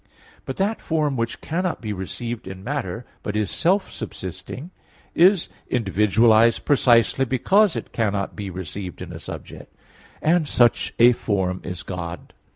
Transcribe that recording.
But that form which cannot be received in matter, but is self subsisting, is individualized precisely because it cannot be received in a subject; and such a form is God.